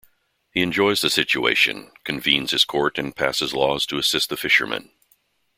He enjoys the situation, convenes his court and passes laws to assist the fishermen.